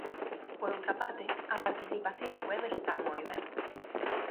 Por outra parte, a participación web está moi ben.